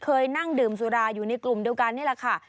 เคยนั่งดื่มสุราอยู่ในกลุ่มเดียวกันนี่แหละค่ะ